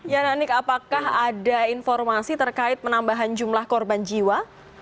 ya nanik apakah ada informasi terkait penambahan jumlah korban jiwa